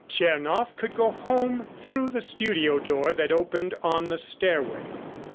Tchernoff could go home through the studio door that opened on the stairway.